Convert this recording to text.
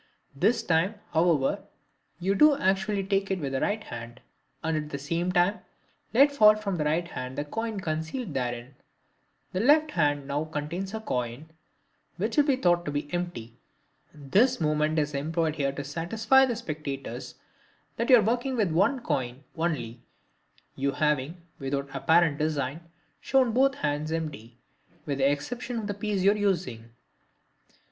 This time, however, you do actually take it with the right hand, and at the same time let fall from the right hand the coin concealed therein. The left hand now contains a coin, but will be thought to be empty. This movement is employed here to satisfy the spectators that you are working with one coin only, you having, without apparent design, shown both hands empty, with the exception of the piece you are using.